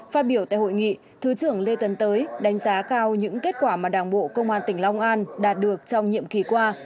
phát biểu tại hội nghị thứ trưởng lê tấn tới đánh giá cao những kết quả mà đảng bộ công an tỉnh long an đạt được trong nhiệm kỳ qua